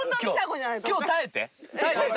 今日耐えて。